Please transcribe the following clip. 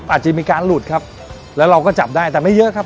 อาจจะมีการหลุดครับแล้วเราก็จับได้แต่ไม่เยอะครับ